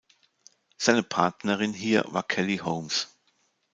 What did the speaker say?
Seine Partnerin hier war Kelly Holmes.